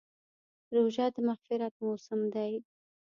روژه د مغفرت موسم دی.